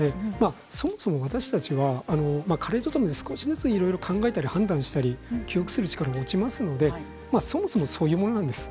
そもそも私たちは加齢とともにいろいろと考えたり判断したり記憶する力が落ちますので、そもそもそういうものなんです。